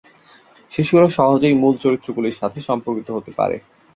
শিশুরা সহজেই মূল চরিত্রগুলির সাথে সম্পর্কিত হতে পারে।